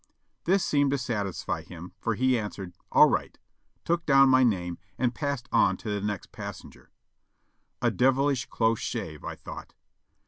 This seemed to satisfy him, for he answered "All right," took down my name and passed on to the next passenger. A devilish close shave, I thought.